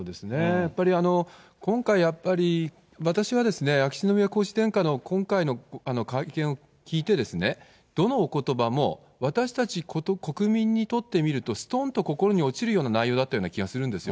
やっぱり、今回やっぱり、私は、秋篠宮皇嗣殿下の今回の会見を聞いてですね、どのおことばも、私たち国民にとってみると、すとーんと心に落ちるような内容だったような気がするんですよ。